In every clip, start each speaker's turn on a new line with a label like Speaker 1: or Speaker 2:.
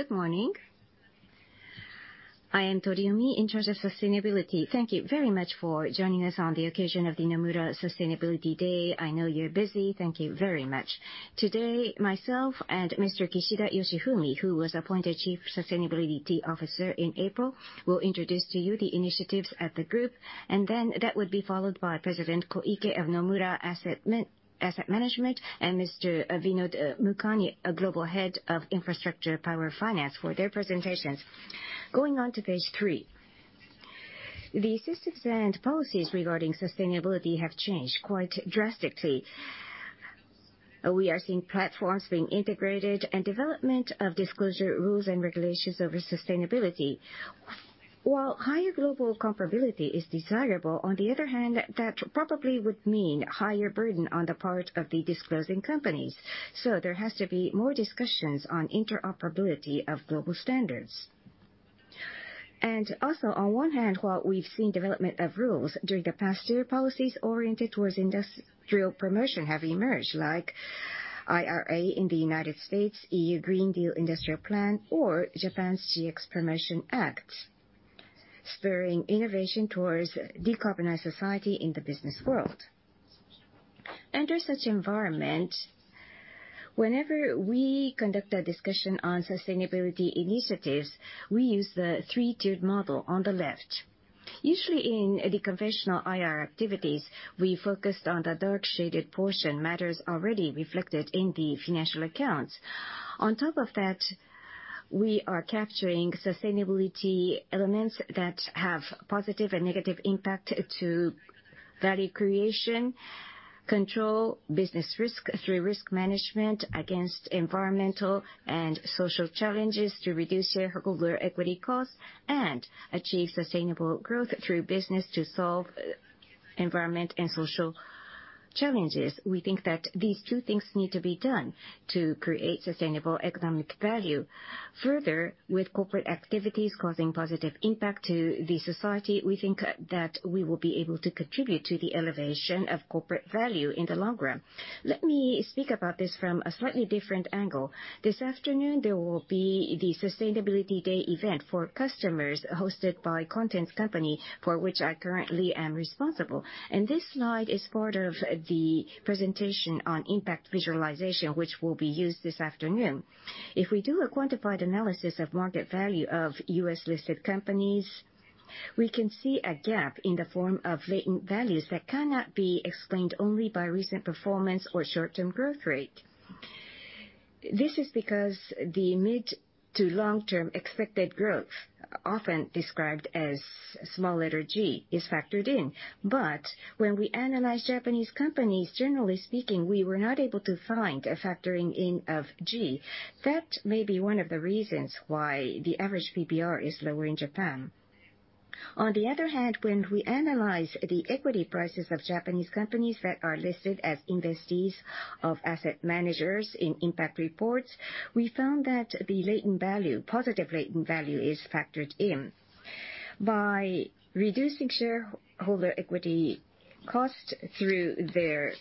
Speaker 1: Good morning. I am Toriumi, in charge of sustainability. Thank you very much for joining us on the occasion of the Nomura Sustainability Day. I know you're busy. Thank you very much. Today, myself and Mr. Kishida Yoshifumi, who was appointed Chief Sustainability Officer in April, will introduce to you the initiatives at the group, and then that would be followed by President Koike of Nomura Asset Management, and Mr. Vinod Mukani, Global Head of Infrastructure Power Finance, for their presentations. Going on to page 3. The systems and policies regarding sustainability have changed quite drastically. We are seeing platforms being integrated and development of disclosure rules and regulations over sustainability. While higher global comparability is desirable, on the other hand, that probably would mean higher burden on the part of the disclosing companies, so there has to be more discussions on interoperability of global standards. And also, on one hand, while we've seen development of rules, during the past year, policies oriented towards industrial promotion have emerged, like IRA in the United States, EU Green Deal Industrial Plan, or Japan's GX Promotion Act, spurring innovation towards decarbonized society in the business world. Under such environment, whenever we conduct a discussion on sustainability initiatives, we use the three-tiered model on the left. Usually, in the conventional IR activities, we focused on the dark shaded portion, matters already reflected in the financial accounts. On top of that, we are capturing sustainability elements that have positive and negative impact to value creation, control business risk through risk management against environmental and social challenges, to reduce shareholder equity costs, and achieve sustainable growth through business to solve environment and social challenges. We think that these two things need to be done to create sustainable economic value. Further, with corporate activities causing positive impact to the society, we think that we will be able to contribute to the elevation of corporate value in the long run. Let me speak about this from a slightly different angle. This afternoon, there will be the Sustainability Day event for customers hosted by Content Company, for which I currently am responsible. This slide is part of the presentation on impact visualization, which will be used this afternoon. If we do a quantified analysis of market value of U.S.-listed companies, we can see a gap in the form of latent values that cannot be explained only by recent performance or short-term growth rate. This is because the mid to long-term expected growth, often described as small letter g, is factored in. But when we analyze Japanese companies, generally speaking, we were not able to find a factoring in of g. That may be one of the reasons why the average PBR is lower in Japan. On the other hand, when we analyze the equity prices of Japanese companies that are listed as investees of asset managers in impact reports, we found that the latent value, positive latent value, is factored in. By reducing shareholder equity cost through their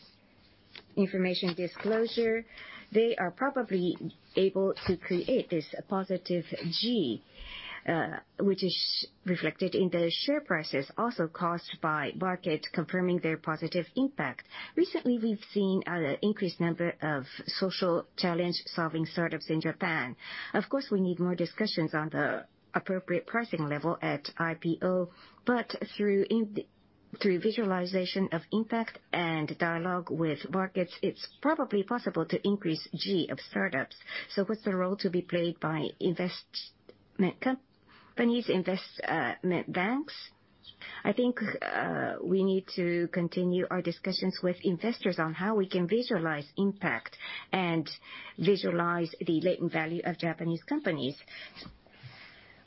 Speaker 1: information disclosure, they are probably able to create this positive g, which is reflected in the share prices, also caused by market confirming their positive impact. Recently, we've seen an increased number of social challenge-solving startups in Japan. Of course, we need more discussions on the appropriate pricing level at IPO, but through visualization of impact and dialogue with markets, it's probably possible to increase g of startups. So what's the role to be played by investment companies, investment banks? I think, we need to continue our discussions with investors on how we can visualize impact and visualize the latent value of Japanese companies.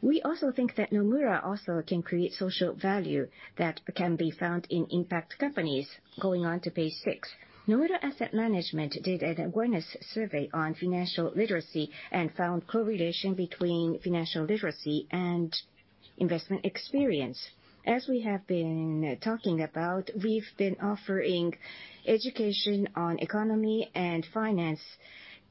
Speaker 1: We also think that Nomura also can create social value that can be found in impact companies. Going on to page 6. Nomura Asset Management did an awareness survey on financial literacy and found correlation between financial literacy and investment experience. As we have been talking about, we've been offering education on economy and finance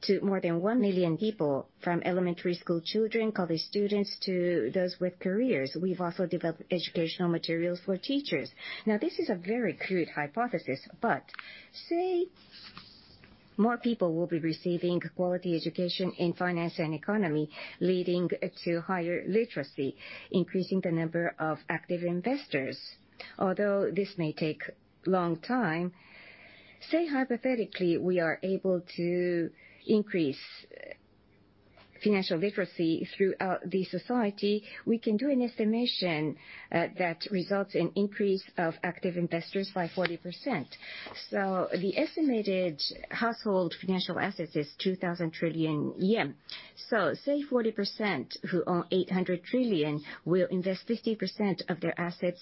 Speaker 1: to more than 1 million people, from elementary school children, college students, to those with careers. We've also developed educational materials for teachers. Now, this is a very crude hypothesis, but say more people will be receiving quality education in finance and economy, leading to higher literacy, increasing the number of active investors. Although this may take long time, say hypothetically, we are able to increase financial literacy throughout the society, we can do an estimation, that results in increase of active investors by 40%. So the estimated household financial assets is 2,000 trillion yen. So say 40%, who own 800 trillion, will invest 50% of their assets,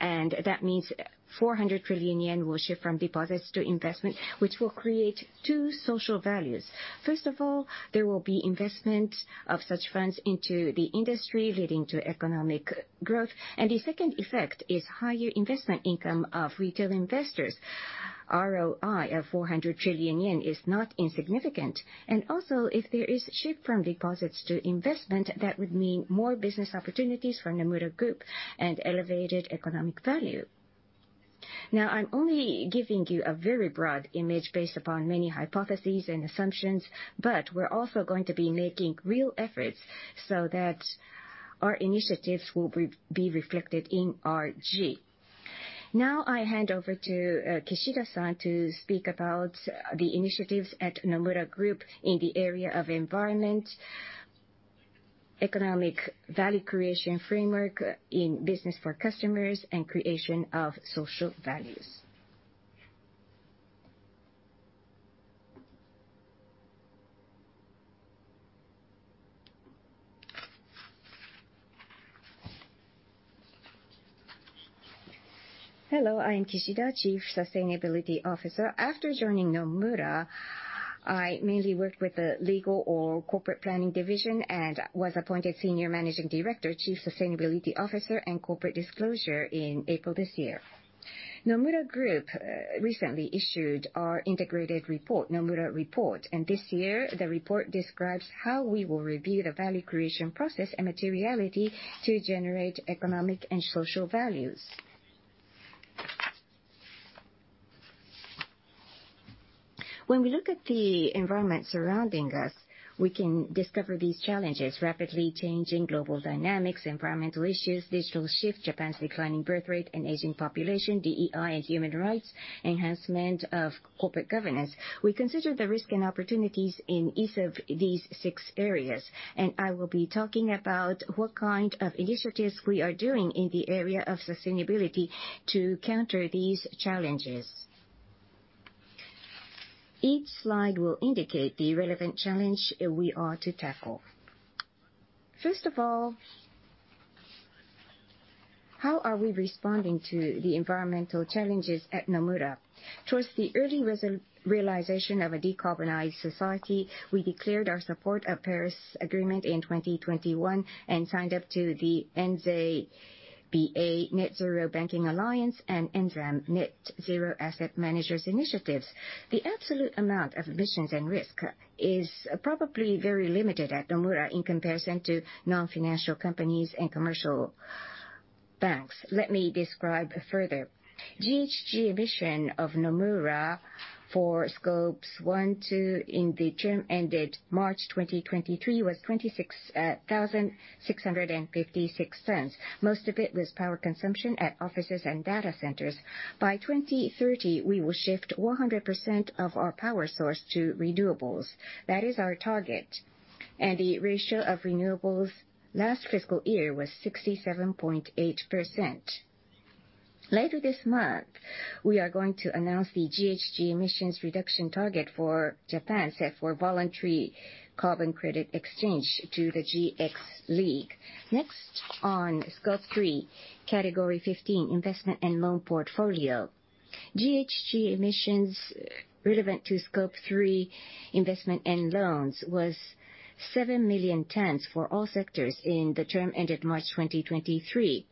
Speaker 1: and that means 400 trillion yen will shift from deposits to investment, which will create two social values. First of all, there will be investment of such funds into the industry, leading to economic growth, and the second effect is higher investment income of retail investors.... ROI of 400 trillion yen is not insignificant, and also, if there is shift from deposits to investment, that would mean more business opportunities for Nomura Group and elevated economic value. Now, I'm only giving you a very broad image based upon many hypotheses and assumptions, but we're also going to be making real efforts so that our initiatives will be reflected in our G. Now, I hand over to Kishida-san to speak about the initiatives at Nomura Group in the area of environment, economic value creation framework in business for customers, and creation of social values.
Speaker 2: Hello, I am Kishida, Chief Sustainability Officer. After joining Nomura, I mainly worked with the legal or corporate planning division, and was appointed Senior Managing Director, Chief Sustainability Officer and Corporate Disclosure in April this year. Nomura Group recently issued our integrated report, Nomura Report, and this year, the report describes how we will review the value creation process and materiality to generate economic and social values. When we look at the environment surrounding us, we can discover these challenges: rapidly changing global dynamics, environmental issues, digital shift, Japan's declining birthrate and aging population, DEI and human rights, enhancement of corporate governance. We consider the risk and opportunities in each of these six areas, and I will be talking about what kind of initiatives we are doing in the area of sustainability to counter these challenges. Each slide will indicate the relevant challenge we are to tackle. First of all, how are we responding to the environmental challenges at Nomura? Towards the early realization of a decarbonized society, we declared our support of Paris Agreement in 2021, and signed up to the NZBA, Net Zero Banking Alliance, and NZAM, Net Zero Asset Managers initiatives. The absolute amount of emissions and risk is probably very limited at Nomura in comparison to non-financial companies and commercial banks. Let me describe further. GHG emissions of Nomura for Scope 1, 2 in the term ended March 2023 was 26,656 tons. Most of it was power consumption at offices and data centers. By 2030, we will shift 100% of our power source to renewables. That is our target, and the ratio of renewables last fiscal year was 67.8%. Later this month, we are going to announce the GHG emissions reduction target for Japan, set for voluntary carbon credit exchange to the GX League. Next, on Scope 3, category 15, investment and loan portfolio. GHG emissions relevant to Scope 3 investment and loans was 7 million tons for all sectors in the term ended March 2023.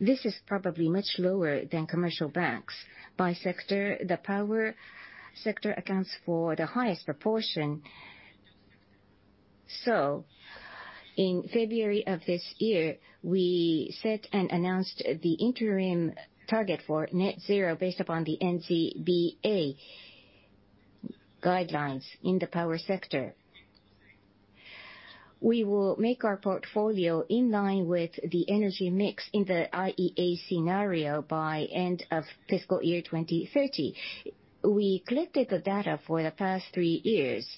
Speaker 2: This is probably much lower than commercial banks. By sector, the power sector accounts for the highest proportion. In February of this year, we set and announced the interim target for net zero based upon the NZBA guidelines in the power sector. We will make our portfolio in line with the energy mix in the IEA scenario by end of fiscal year 2030. We collected the data for the past three years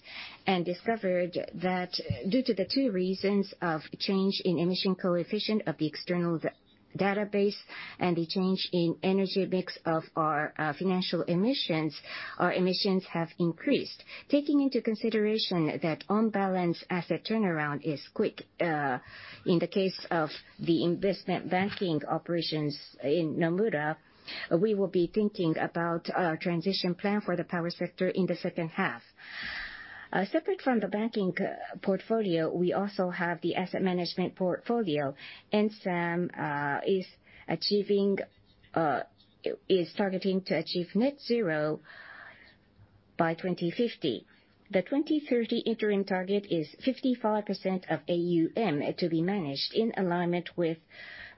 Speaker 2: and discovered that due to the two reasons of change in emission coefficient of the external database and the change in energy mix of our financial emissions, our emissions have increased. Taking into consideration that on balance, asset turnaround is quick in the case of the investment banking operations in Nomura, we will be thinking about a transition plan for the power sector in the H2 Separate from the banking portfolio, we also have the asset management portfolio, and NAM is targeting to achieve net zero by 2050. The 2030 interim target is 55% of AUM to be managed in alignment with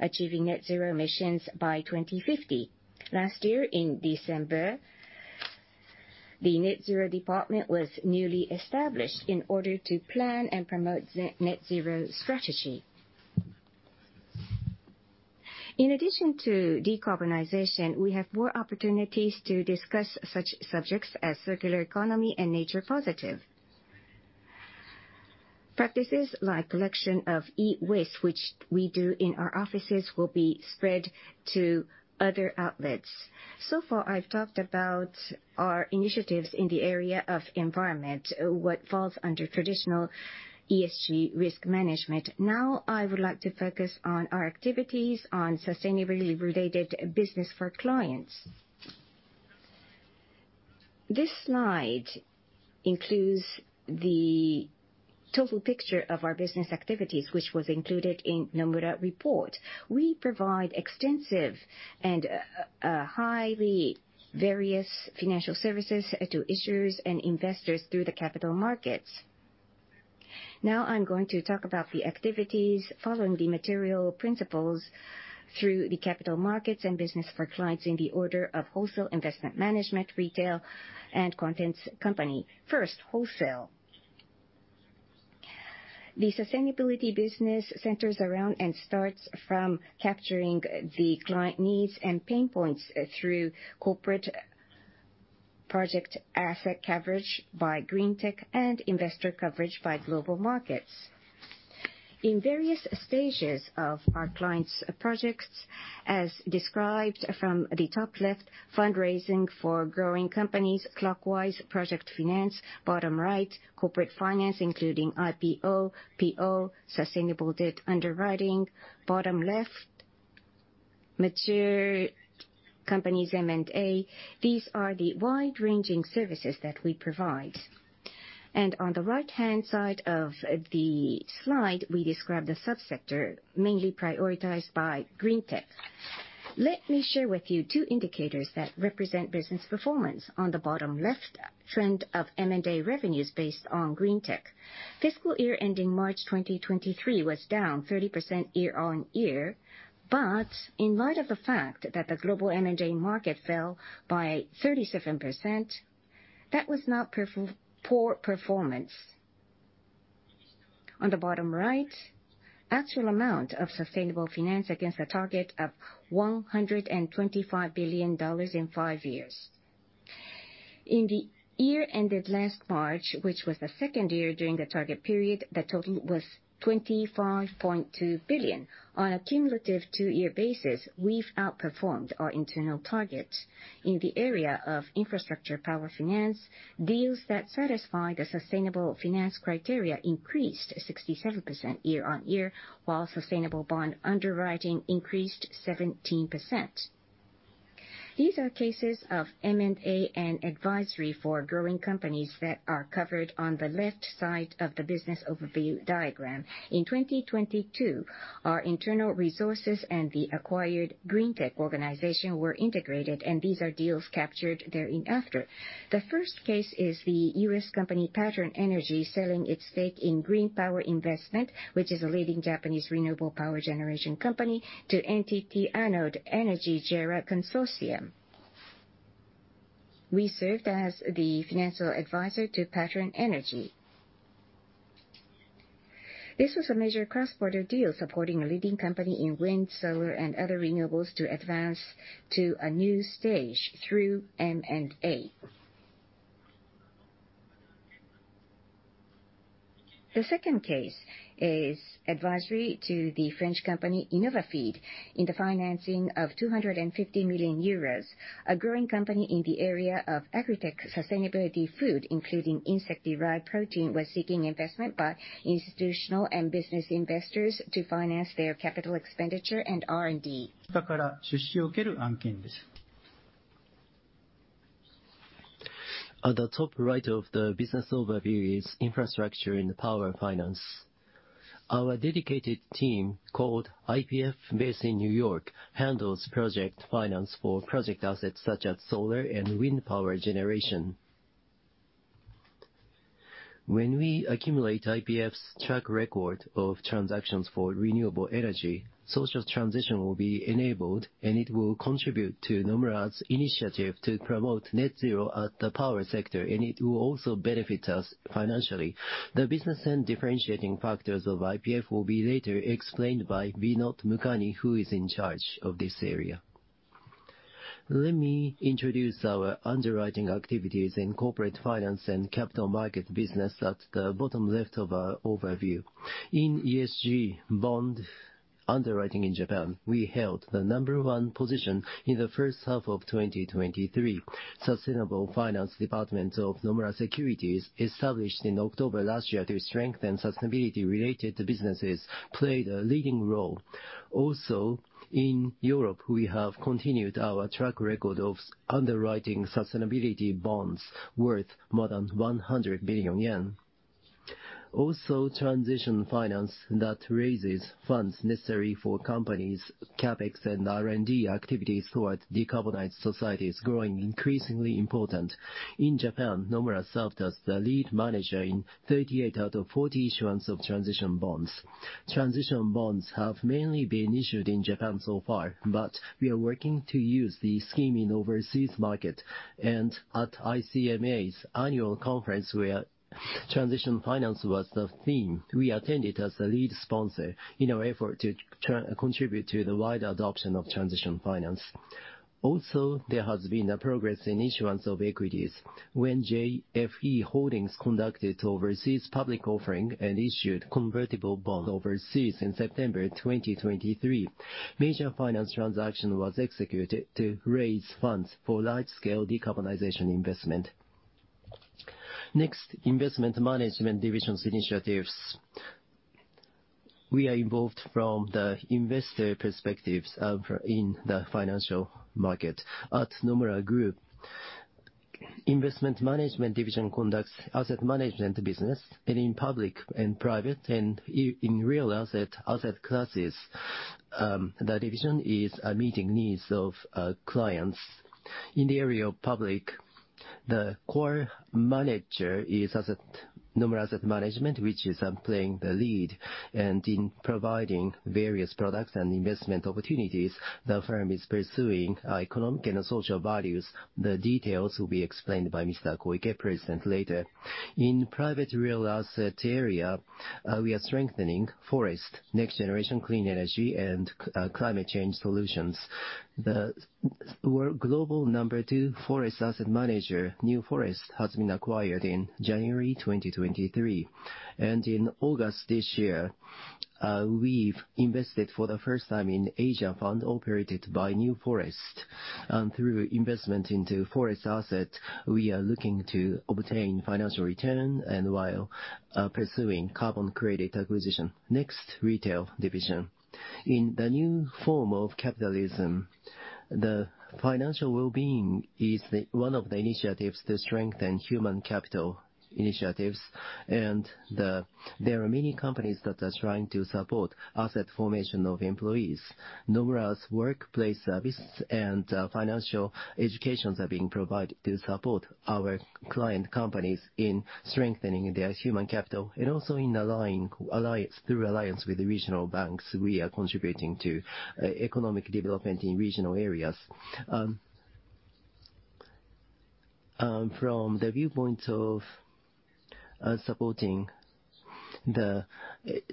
Speaker 2: achieving net zero emissions by 2050. Last year, in December, the net zero department was newly established in order to plan and promote net zero strategy. In addition to decarbonization, we have more opportunities to discuss such subjects as circular economy and nature positive. Practices like collection of e-waste, which we do in our offices, will be spread to other outlets. So far, I've talked about our initiatives in the area of environment, what falls under traditional ESG risk management. Now, I would like to focus on our activities on sustainability-related business for clients. This slide includes the total picture of our business activities, which was included in Nomura Report. We provide extensive and highly various financial services to issuers and investors through the capital markets. Now I'm going to talk about the activities following the material principles through the capital markets and business for clients in the order of wholesale investment management, retail, and contents company. First, wholesale. The sustainability business centers around and starts from capturing the client needs and pain points through corporate project asset coverage by Greentech and investor coverage by global markets. In various stages of our clients' projects, as described from the top left, fundraising for growing companies, clockwise, project finance, bottom right, corporate finance, including IPO, PO, sustainable debt underwriting, bottom left, mature companies M&A. These are the wide-ranging services that we provide. On the right-hand side of the slide, we describe the sub-sector mainly prioritized by Greentech. Let me share with you two indicators that represent business performance. On the bottom left, trend of M&A revenues based on Greentech. Fiscal year ending March 2023 was down 30% year-on-year, but in light of the fact that the global M&A market fell by 37%, that was not poor performance. On the bottom right, actual amount of sustainable finance against a target of $125 billion in 5 years. In the year ended last March, which was the second year during the target period, the total was $25.2 billion. On a cumulative 2-year basis, we've outperformed our internal target. In the area of infrastructure power finance, deals that satisfy the sustainable finance criteria increased 67% year-on-year, while sustainable bond underwriting increased 17%. These are cases of M&A and advisory for growing companies that are covered on the left side of the business overview diagram. In 2022, our internal resources and the acquired Greentech organization were integrated, and these are deals captured thereafter. The first case is the U.S. company, Pattern Energy, selling its stake in Green Power Investment, which is a leading Japanese renewable power generation company, to NTT Anode Energy JERA Consortium. We served as the financial advisor to Pattern Energy. This was a major cross-border deal supporting a leading company in wind, solar, and other renewables to advance to a new stage through M&A. The second case is advisory to the French company, Innovafeed, in the financing of 250 million euros. A growing company in the area of agritech sustainability food, including insect-derived protein, was seeking investment by institutional and business investors to finance their capital expenditure and R&D.
Speaker 3: At the top right of the business overview is infrastructure in the power finance. Our dedicated team, called IPF, based in New York, handles project finance for project assets such as solar and wind power generation. When we accumulate IPF's track record of transactions for renewable energy, social transition will be enabled, and it will contribute to Nomura's initiative to promote net zero at the power sector, and it will also benefit us financially. The business and differentiating factors of IPF will be later explained by Vinod Mukani, who is in charge of this area. Let me introduce our underwriting activities in corporate finance and capital market business at the bottom left of our overview. In ESG bond underwriting in Japan, we held the number one position in the H1 of 2023. Sustainable finance department of Nomura Securities, established in October last year to strengthen sustainability-related businesses, played a leading role. Also, in Europe, we have continued our track record of underwriting sustainability bonds worth more than 100 billion yen. Also, transition finance that raises funds necessary for companies' CapEx and R&D activities towards decarbonized society is growing increasingly important. In Japan, Nomura served as the lead manager in 38 out of 40 issuance of transition bonds. Transition bonds have mainly been issued in Japan so far, but we are working to use the scheme in overseas market. And at ICMA's annual conference, where transition finance was the theme, we attended as the lead sponsor in our effort to contribute to the wide adoption of transition finance. Also, there has been a progress in issuance of equities. When JFE Holdings conducted overseas public offering and issued convertible bond overseas in September 2023, major finance transaction was executed to raise funds for large-scale decarbonization investment. Next, investment management division's initiatives. We are involved from the investor perspectives for in the financial market at Nomura Group. Investment management division conducts asset management business and in public and private, and in real asset asset classes. The division is meeting needs of clients. In the area of public, the core manager is asset, Nomura Asset Management, which is playing the lead, and in providing various products and investment opportunities, the firm is pursuing economic and social values. The details will be explained by Mr. Koike, President, later. In private real asset area, we are strengthening forest, next generation clean energy, and climate change solutions. The world's global number 2 forest asset manager, New Forests, has been acquired in January 2023, and in August this year, we've invested for the first time in Asia fund operated by New Forests. Through investment into forest asset, we are looking to obtain financial return, and while pursuing carbon credit acquisition. Next, retail division. In the new form of capitalism, the financial well-being is one of the initiatives to strengthen human capital initiatives, and there are many companies that are trying to support asset formation of employees. Nomura's workplace service and financial educations are being provided to support our client companies in strengthening their human capital, and also in alliance, through alliance with the regional banks, we are contributing to economic development in regional areas. From the viewpoint of supporting the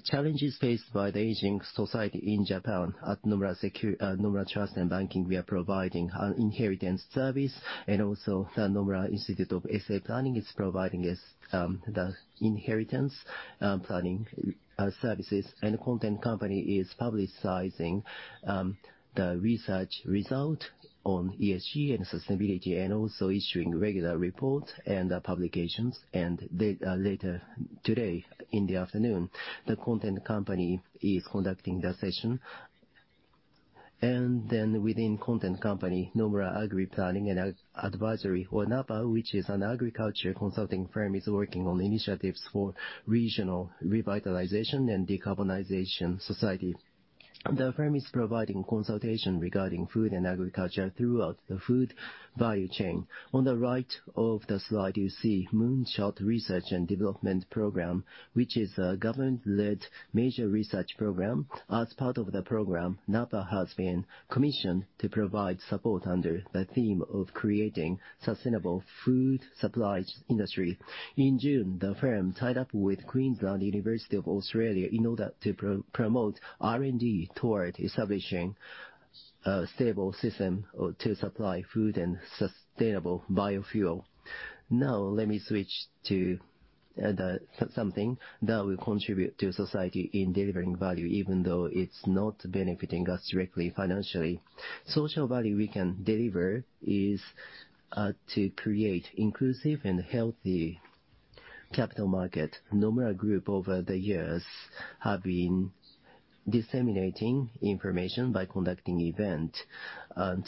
Speaker 3: challenges faced by the aging society in Japan, at Nomura Trust and Banking, we are providing an inheritance service, and also the Nomura Institute of Estate Planning is providing us the inheritance planning services, and content company is publicizing the research result on ESG and sustainability, and also issuing regular reports and publications. Later today, in the afternoon, the content company is conducting the session. Then within content company, Nomura Agri Planning and Advisory, or NAPA, which is an agriculture consulting firm, is working on initiatives for regional revitalization and decarbonization society. The firm is providing consultation regarding food and agriculture throughout the food value chain. On the right of the slide, you see Moonshot Research and Development Program, which is a government-led major research program. As part of the program, NAPA has been commissioned to provide support under the theme of creating sustainable food supply industry. In June, the firm tied up with the University of Queensland in Australia in order to promote R&D toward establishing a stable system to supply food and sustainable biofuel. Now let me switch to the something that will contribute to society in delivering value, even though it's not benefiting us directly financially. Social value we can deliver is to create inclusive and healthy capital market. Nomura Group, over the years, have been disseminating information by conducting event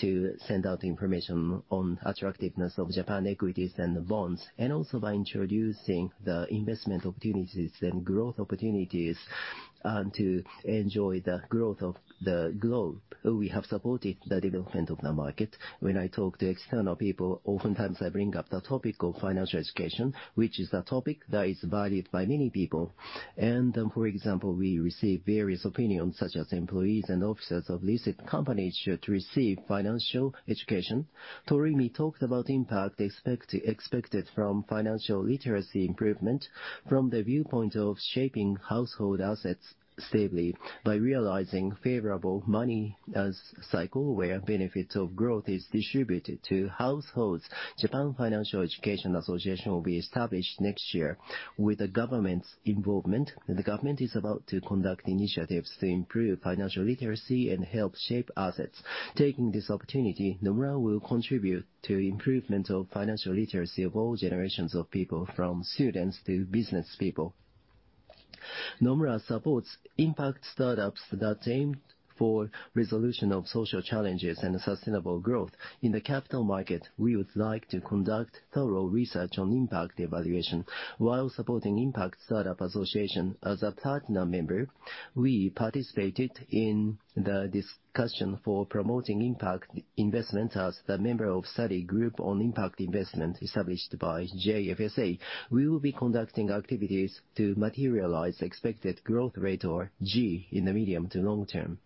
Speaker 3: to send out information on attractiveness of Japan equities and the bonds, and also by introducing the investment opportunities and growth opportunities to enjoy the growth of the globe. We have supported the development of the market. When I talk to external people, oftentimes I bring up the topic of financial education, which is a topic that is valued by many people. For example, we receive various opinions, such as employees and officers of listed companies should receive financial education. Toriumi talked about impact expected from financial literacy improvement, from the viewpoint of shaping household assets stably by realizing favorable money as cycle, where benefits of growth is distributed to households. Japan Financial Education Association will be established next year with the government's involvement, and the government is about to conduct initiatives to improve financial literacy and help shape assets. Taking this opportunity, Nomura will contribute to improvement of financial literacy of all generations of people, from students to business people. Nomura supports impact startups that aim for resolution of social challenges and sustainable growth. In the capital market, we would like to conduct thorough research on impact evaluation. While supporting Impact Startup Association as a partner member, we participated in the discussion for promoting impact investment as the member of study group on impact investment established by JFSA. We will be conducting activities to materialize expected growth rate or G in the medium to long term.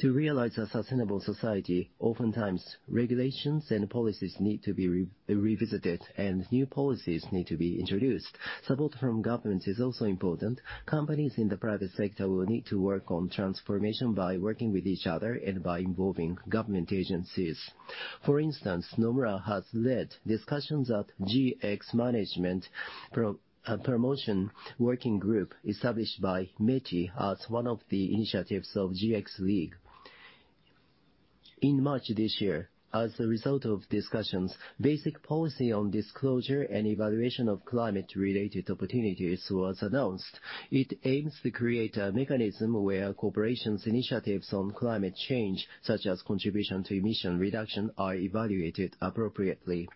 Speaker 3: To realize a sustainable society, oftentimes, regulations and policies need to be revisited, and new policies need to be introduced. Support from governments is also important. Companies in the private sector will need to work on transformation by working with each other and by involving government agencies. For instance, Nomura has led discussions at GX Management Promotion Working Group, established by METI as one of the initiatives of GX League. In March this year, as a result of discussions, basic policy on disclosure and evaluation of climate-related opportunities was announced. It aims to create a mechanism where corporations' initiatives on climate change, such as contribution to emission reduction, are evaluated appropriately,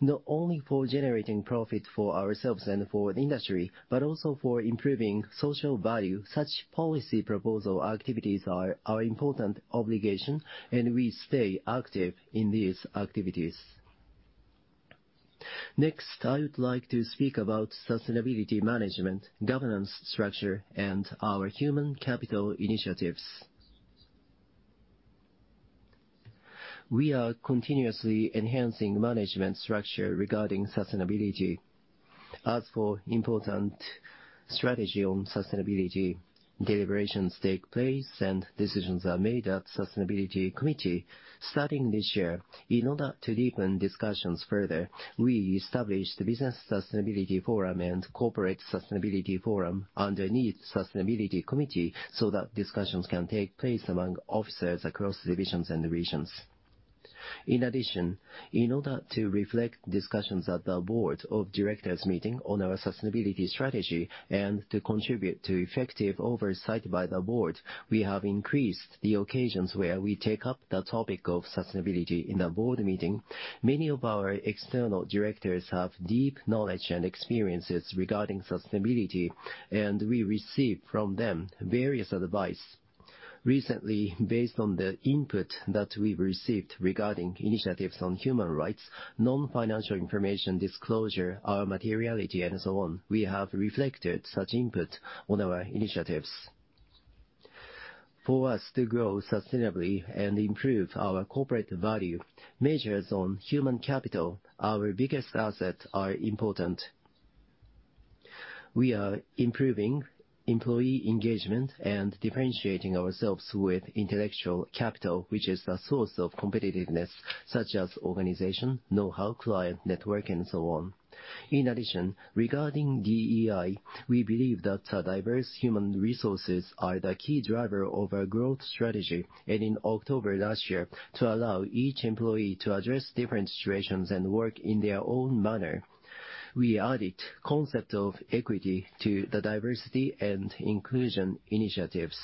Speaker 3: not only for generating profit for ourselves and for the industry, but also for improving social value. Such policy proposal activities are our important obligation, and we stay active in these activities. Next, I would like to speak about sustainability management, governance structure, and our human capital initiatives. We are continuously enhancing management structure regarding sustainability. As for important strategy on sustainability, deliberations take place and decisions are made at Sustainability Committee starting this year. In order to deepen discussions further, we established the Business Sustainability Forum and Corporate Sustainability Forum underneath Sustainability Committee, so that discussions can take place among officers across divisions and regions. In addition, in order to reflect discussions at the board of directors meeting on our sustainability strategy and to contribute to effective oversight by the board, we have increased the occasions where we take up the topic of sustainability in a board meeting. Many of our external directors have deep knowledge and experiences regarding sustainability, and we receive from them various advice. Recently, based on the input that we've received regarding initiatives on human rights, non-financial information disclosure, our materiality, and so on, we have reflected such input on our initiatives. For us to grow sustainably and improve our corporate value, measures on human capital, our biggest assets, are important. We are improving employee engagement and differentiating ourselves with intellectual capital, which is a source of competitiveness, such as organization, know-how, client network, and so on. In addition, regarding DEI, we believe that a diverse human resources are the key driver of our growth strategy, and in October last year, to allow each employee to address different situations and work in their own manner, we added concept of equity to the diversity and inclusion initiatives.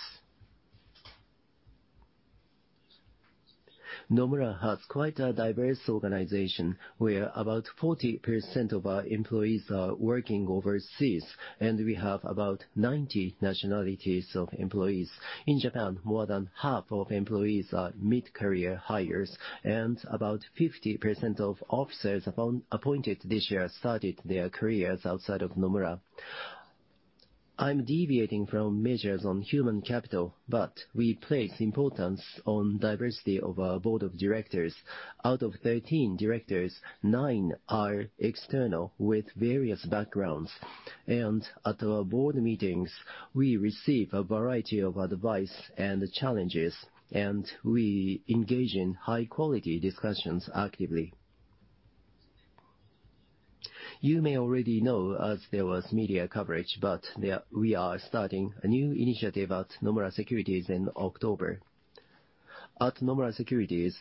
Speaker 3: Nomura has quite a diverse organization, where about 40% of our employees are working overseas, and we have about 90 nationalities of employees. In Japan, more than half of employees are mid-career hires, and about 50% of officers upon-appointed this year started their careers outside of Nomura. I'm deviating from measures on human capital, but we place importance on diversity of our board of directors. Out of 13 directors, nine are external with various backgrounds, and at our board meetings, we receive a variety of advice and challenges, and we engage in high-quality discussions actively. You may already know, as there was media coverage, but we are starting a new initiative at Nomura Securities in October. At Nomura Securities,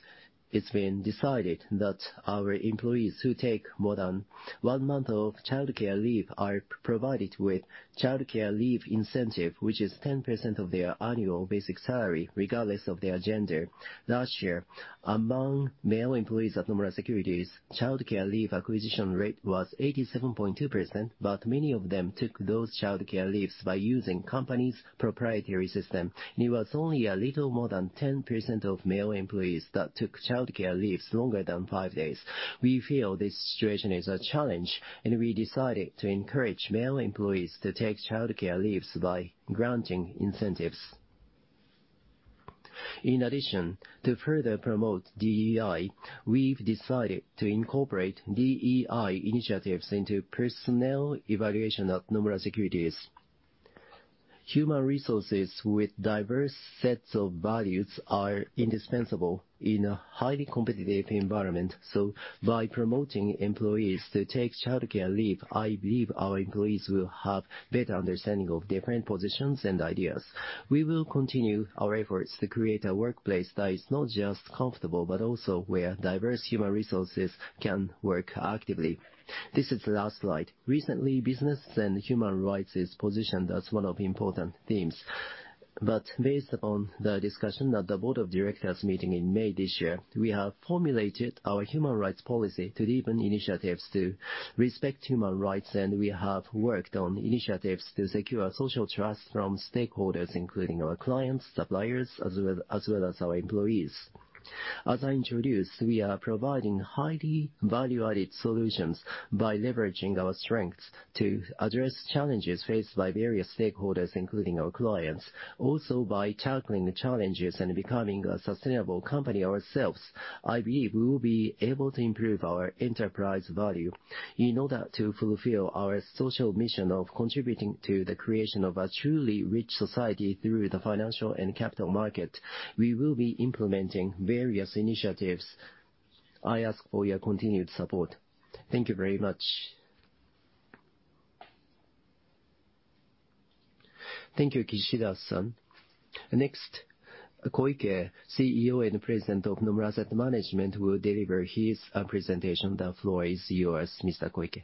Speaker 3: it's been decided that our employees who take more than one month of childcare leave are provided with childcare leave incentive, which is 10% of their annual basic salary, regardless of their gender. Last year, among male employees at Nomura Securities, childcare leave acquisition rate was 87.2%, but many of them took those childcare leaves by using company's proprietary system. It was only a little more than 10% of male employees that took childcare leaves longer than five days. We feel this situation is a challenge, and we decided to encourage male employees to take childcare leaves by granting incentives. In addition, to further promote DEI, we've decided to incorporate DEI initiatives into personnel evaluation at Nomura Securities. Human resources with diverse sets of values are indispensable in a highly competitive environment, so by promoting employees to take childcare leave, I believe our employees will have better understanding of different positions and ideas. We will continue our efforts to create a workplace that is not just comfortable, but also where diverse human resources can work actively. This is the last slide. Recently, business and human rights is positioned as one of important themes, but based upon the discussion at the board of directors meeting in May this year, we have formulated our human rights policy to deepen initiatives to respect human rights, and we have worked on initiatives to secure social trust from stakeholders, including our clients, suppliers, as well, as well as our employees. As I introduced, we are providing highly value-added solutions by leveraging our strengths to address challenges faced by various stakeholders, including our clients. Also, by tackling the challenges and becoming a sustainable company ourselves, I believe we will be able to improve our enterprise value. In order to fulfill our social mission of contributing to the creation of a truly rich society through the financial and capital market, we will be implementing various initiatives. I ask for your continued support. Thank you very much. Thank you, Kishida-san. Next, Koike, CEO and President of Nomura Asset Management, will deliver his presentation. The floor is yours, Mr. Koike.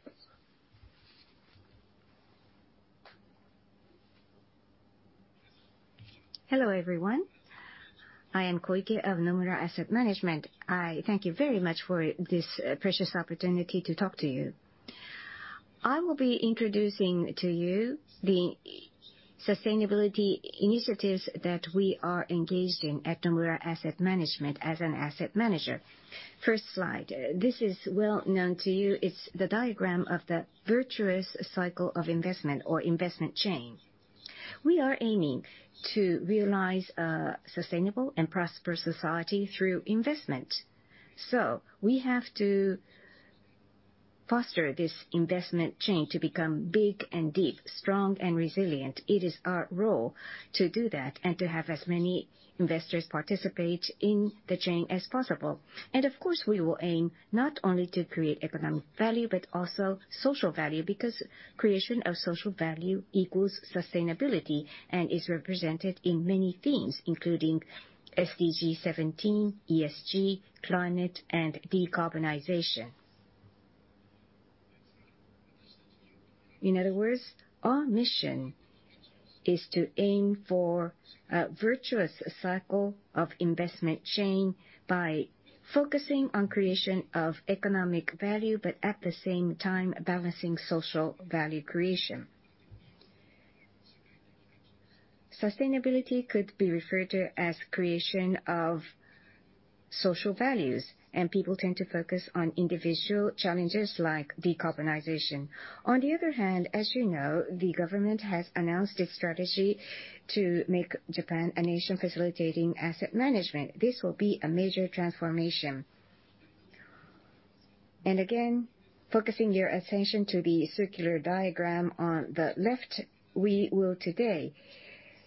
Speaker 4: Hello, everyone. I am Koike of Nomura Asset Management. I thank you very much for this precious opportunity to talk to you. I will be introducing to you the sustainability initiatives that we are engaged in at Nomura Asset Management as an asset manager. First slide. This is well known to you. It's the diagram of the virtuous cycle of investment or investment chain. We are aiming to realize a sustainable and prosperous society through investment, so we have to foster this investment chain to become big and deep, strong and resilient. It is our role to do that and to have as many investors participate in the chain as possible. And of course, we will aim not only to create economic value, but also social value, because creation of social value equals sustainability and is represented in many themes, including SDG Seventeen, ESG, climate, and decarbonization. In other words, our mission is to aim for a virtuous cycle of investment chain by focusing on creation of economic value, but at the same time, balancing social value creation. Sustainability could be referred to as creation of social values, and people tend to focus on individual challenges like decarbonization. On the other hand, as you know, the government has announced its strategy to make Japan a nation facilitating asset management. This will be a major transformation. Again, focusing your attention to the circular diagram on the left, we will today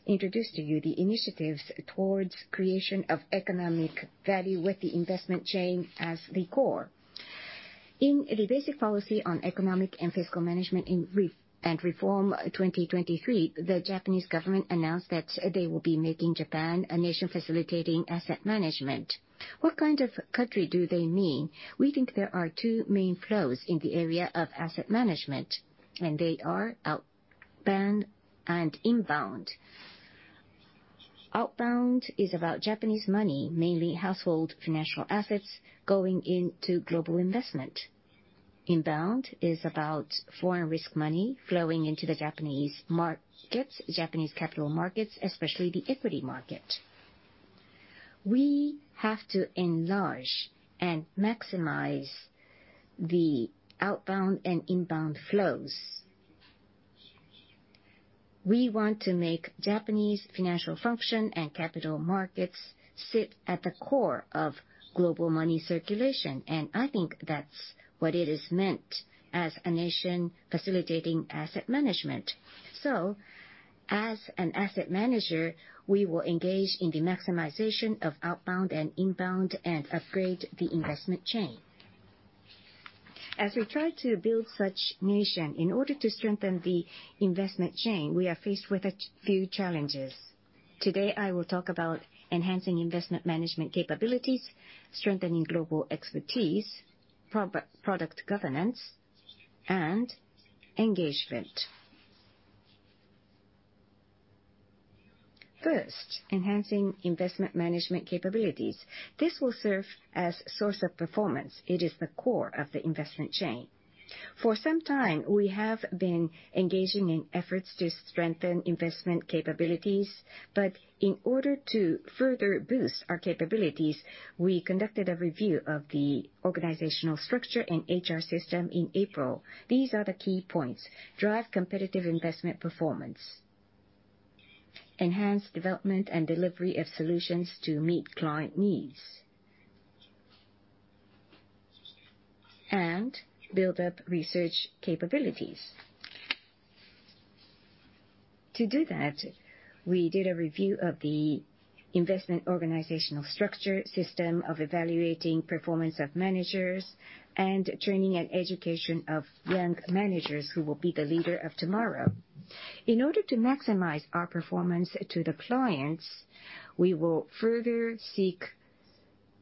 Speaker 4: introduce to you the initiatives towards creation of economic value with the investment chain as the core. In the Basic Policy on Economic and Fiscal Management and Reform 2023, the Japanese government announced that they will be making Japan a nation facilitating asset management. What kind of country do they mean? We think there are two main flows in the area of asset management, and they are outbound and inbound. Outbound is about Japanese money, mainly household financial assets, going into global investment. Inbound is about foreign risk money flowing into the Japanese markets, Japanese capital markets, especially the equity market. We have to enlarge and maximize the outbound and inbound flows. We want to make Japanese financial function and capital markets sit at the core of global money circulation, and I think that's what it is meant as a nation facilitating asset management. So as an asset manager, we will engage in the maximization of outbound and inbound and upgrade the investment chain. As we try to build such nation, in order to strengthen the investment chain, we are faced with a few challenges. Today, I will talk about enhancing investment management capabilities, strengthening global expertise, pro-product governance, and engagement. First, enhancing investment management capabilities. This will serve as source of performance. It is the core of the investment chain. For some time, we have been engaging in efforts to strengthen investment capabilities, but in order to further boost our capabilities, we conducted a review of the organizational structure and HR system in April. These are the key points: Drive competitive investment performance, enhance development and delivery of solutions to meet client needs, and build up research capabilities. To do that, we did a review of the investment organizational structure, system of evaluating performance of managers, and training and education of young managers who will be the leader of tomorrow. In order to maximize our performance to the clients, we will further seek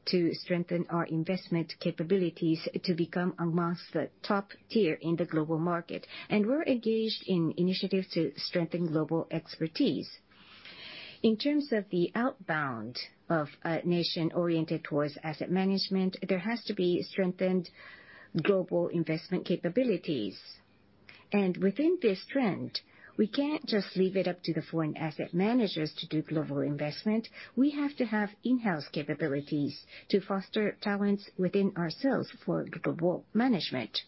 Speaker 4: to strengthen our investment capabilities to become amongst the top tier in the global market, and we're engaged in initiatives to strengthen global expertise. In terms of the outbound of a nation oriented towards asset management, there has to be strengthened global investment capabilities. Within this trend, we can't just leave it up to the foreign asset managers to do global investment. We have to have in-house capabilities to foster talents within ourselves for global management.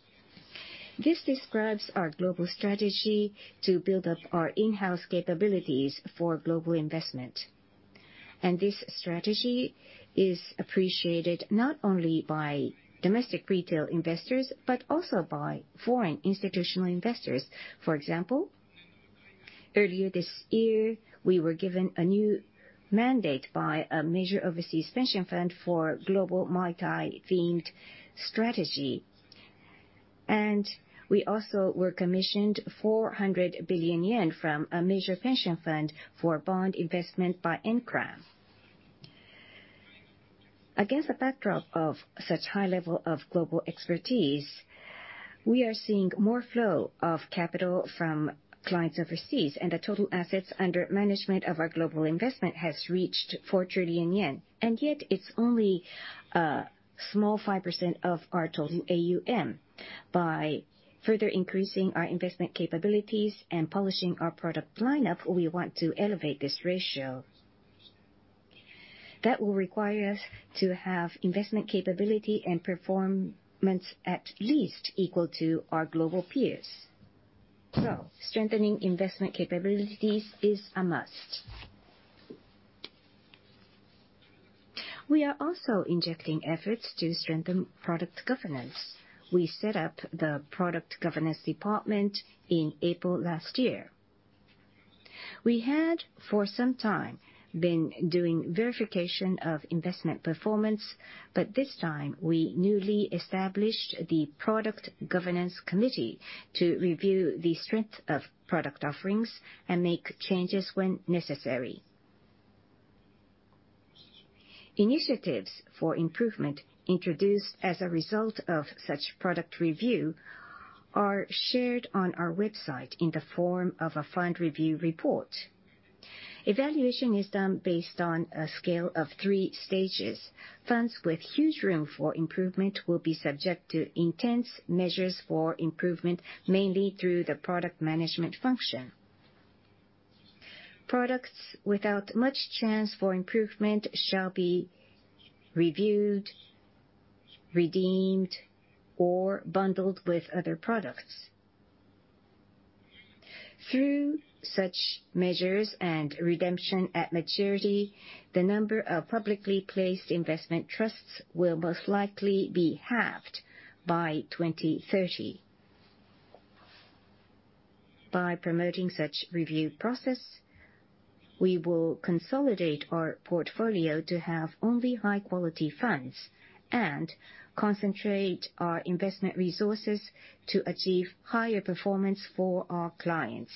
Speaker 4: This describes our global strategy to build up our in-house capabilities for global investment. This strategy is appreciated not only by domestic retail investors, but also by foreign institutional investors. For example, earlier this year, we were given a new mandate by a major overseas pension fund for global multi-themed strategy.... We also were commissioned 400 billion yen from a major pension fund for bond investment by NCRAM. Against the backdrop of such high level of global expertise, we are seeing more flow of capital from clients overseas, and the total assets under management of our global investment has reached 4 trillion yen, and yet it's only a small 5% of our total AUM. By further increasing our investment capabilities and polishing our product lineup, we want to elevate this ratio. That will require us to have investment capability and performance at least equal to our global peers. So strengthening investment capabilities is a must. We are also injecting efforts to strengthen product governance. We set up the Product Governance Department in April last year. We had, for some time, been doing verification of investment performance, but this time we newly established the Product Governance Committee to review the strength of product offerings and make changes when necessary. Initiatives for improvement introduced as a result of such product review are shared on our website in the form of a fund review report. Evaluation is done based on a scale of three stages. Funds with huge room for improvement will be subject to intense measures for improvement, mainly through the product management function. Products without much chance for improvement shall be reviewed, redeemed, or bundled with other products. Through such measures and redemption at maturity, the number of publicly placed investment trusts will most likely be halved by 2030. By promoting such review process, we will consolidate our portfolio to have only high-quality funds and concentrate our investment resources to achieve higher performance for our clients.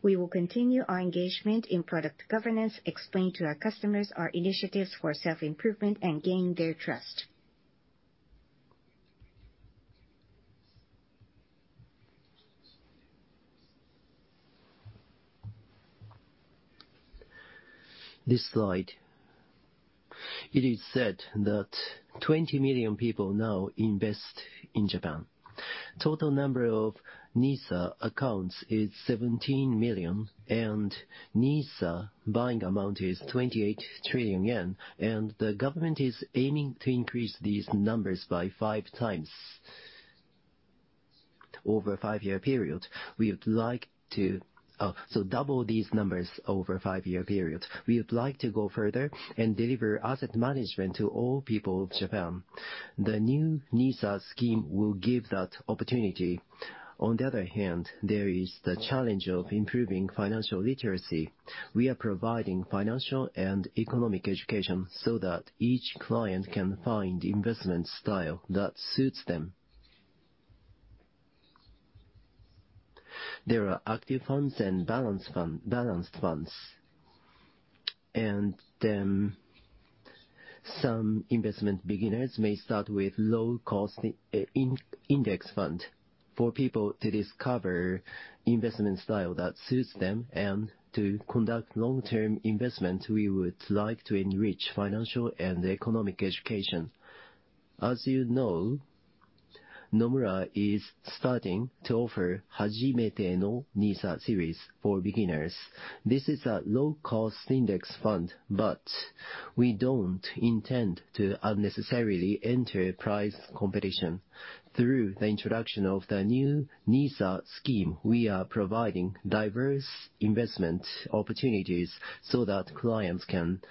Speaker 4: We will continue our engagement in product governance, explain to our customers our initiatives for self-improvement, and gain their trust.
Speaker 3: This slide, it is said that 20 million people now invest in Japan. Total number of NISA accounts is 17 million, and NISA buying amount is 28 trillion yen, and the government is aiming to increase these numbers by five times over a five-year period. We would like to so double these numbers over a five-year period. We would like to go further and deliver asset management to all people of Japan. The new NISA scheme will give that opportunity. On the other hand, there is the challenge of improving financial literacy. We are providing financial and economic education so that each client can find investment style that suits them. There are active funds and balanced funds, and some investment beginners may start with low-cost index fund. For people to discover investment style that suits them and to conduct long-term investment, we would like to enrich financial and economic education. As you know, Nomura is starting to offer Hajimete no NISA series for beginners. This is a low-cost index fund, but we don't intend to unnecessarily enter price competition. Through the introduction of the new NISA scheme, we are providing diverse investment opportunities so that clients can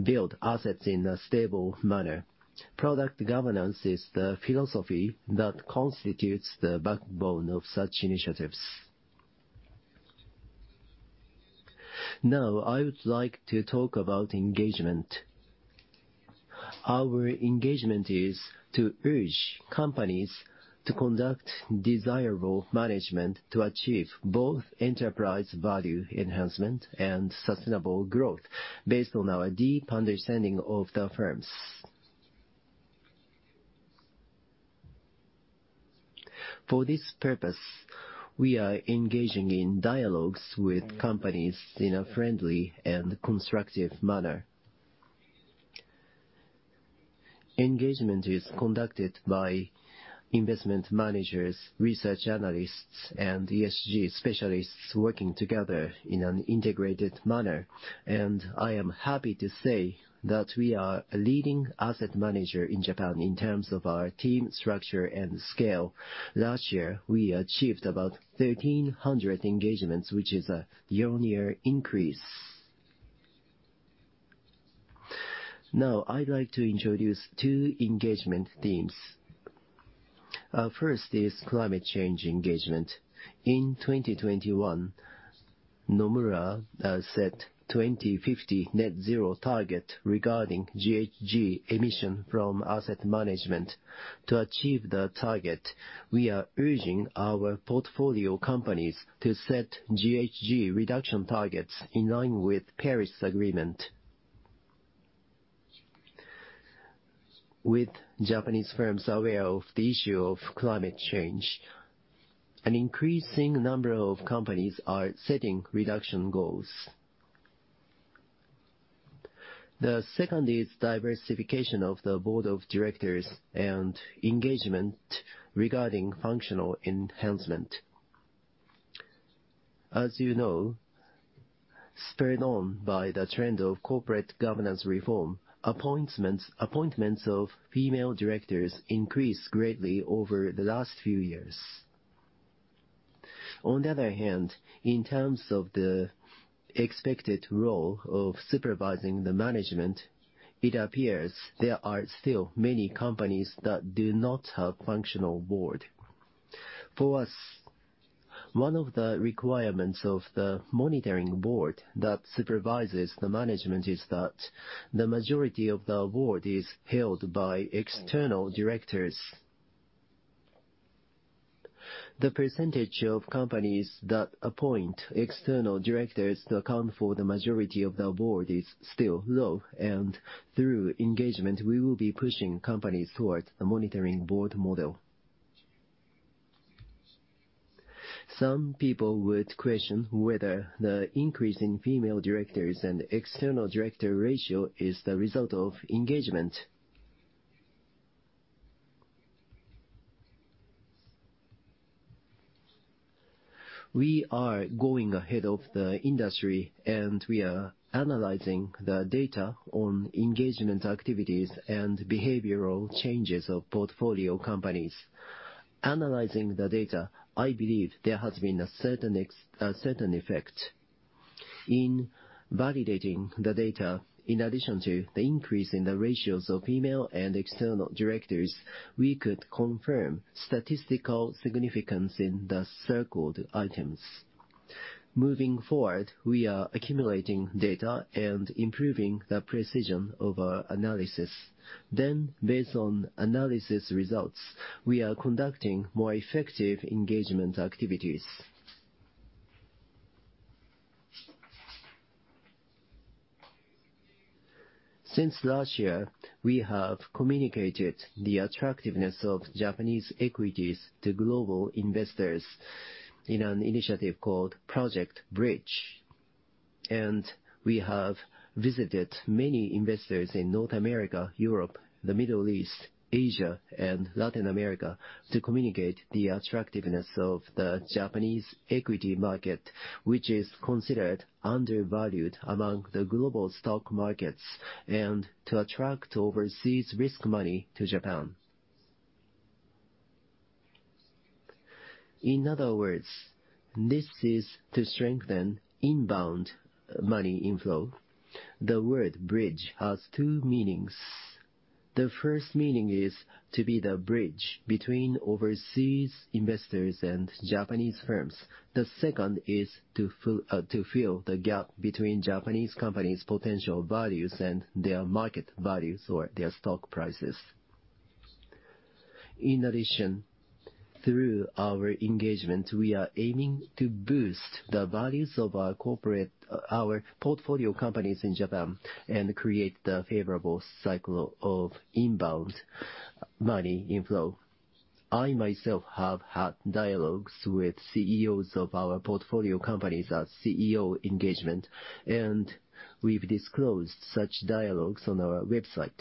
Speaker 3: build assets in a stable manner. Product governance is the philosophy that constitutes the backbone of such initiatives. Now, I would like to talk about engagement. Our engagement is to urge companies to conduct desirable management to achieve both enterprise value enhancement and sustainable growth based on our deep understanding of the firms. For this purpose, we are engaging in dialogues with companies in a friendly and constructive manner. Engagement is conducted by investment managers, research analysts, and ESG specialists working together in an integrated manner, and I am happy to say that we are a leading asset manager in Japan in terms of our team structure and scale. Last year, we achieved about 1,300 engagements, which is a year-on-year increase. Now, I'd like to introduce two engagement themes. First is climate change engagement. In 2021, Nomura has set 2050 net zero target regarding GHG emission from asset management. To achieve the target, we are urging our portfolio companies to set GHG reduction targets in line with Paris Agreement. With Japanese firms aware of the issue of climate change, an increasing number of companies are setting reduction goals. The second is diversification of the board of directors and engagement regarding functional enhancement. As you know, spurred on by the trend of corporate governance reform, appointments of female directors increased greatly over the last few years. On the other hand, in terms of the expected role of supervising the management, it appears there are still many companies that do not have functional board. For us, one of the requirements of the monitoring board that supervises the management is that the majority of the board is held by external directors. The percentage of companies that appoint external directors to account for the majority of the board is still low, and through engagement, we will be pushing companies towards the monitoring board model. Some people would question whether the increase in female directors and external director ratio is the result of engagement. We are going ahead of the industry, and we are analyzing the data on engagement activities and behavioral changes of portfolio companies. Analyzing the data, I believe there has been a certain effect. In validating the data, in addition to the increase in the ratios of female and external directors, we could confirm statistical significance in the circled items. Moving forward, we are accumulating data and improving the precision of our analysis. Based on analysis results, we are conducting more effective engagement activities. Since last year, we have communicated the attractiveness of Japanese equities to global investors in an initiative called Project Bridge. And we have visited many investors in North America, Europe, the Middle East, Asia, and Latin America, to communicate the attractiveness of the Japanese equity market, which is considered undervalued among the global stock markets, and to attract overseas risk money to Japan. In other words, this is to strengthen inbound money inflow. The word bridge has two meanings. The first meaning is to be the bridge between overseas investors and Japanese firms. The second is to fill the gap between Japanese companies' potential values and their market values, or their stock prices. In addition, through our engagement, we are aiming to boost the values of our corporate, our portfolio companies in Japan, and create the favorable cycle of inbound money inflow. I, myself, have had dialogues with CEOs of our portfolio companies at CEO engagement, and we've disclosed such dialogues on our website.